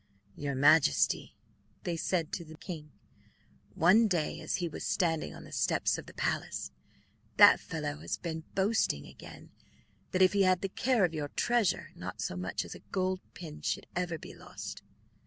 "Your Majesty," they said to the king, one day, as he was standing on the steps of the palace, "that fellow has been boasting again, that if he had the care of your treasures not so much as a gold pin should ever be lost.